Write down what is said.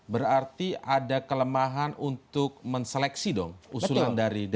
berarti ada kelemahan untuk menseleksi dong usulan dari dpr